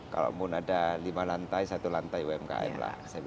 kalaupun ada lima lantai satu lantai umkm lah